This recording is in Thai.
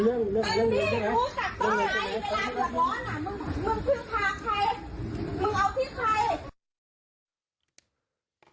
มึงคือพาใครมึงเอาที่ใคร